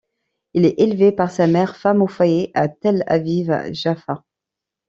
Il est élevé par sa mère, femme au foyer, à Tel Aviv-Jaffa.